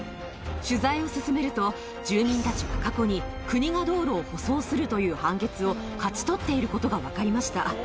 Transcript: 取材を進めると、住民たちは過去に国が道路を舗装するという判決を勝ち取っていることが分かりました。